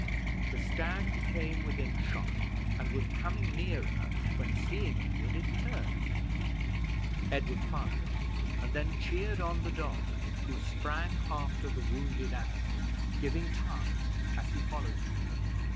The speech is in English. The stag came within shot, and was coming nearer, when, seeing Edward, it turned. Edward fired, and then cheered on the dog, who sprung after the wounded animal, giving tongue, as he followed him.